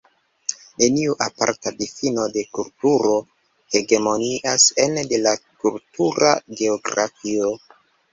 Neniu aparta difino de kulturo hegemonias ene de la kultura geografio.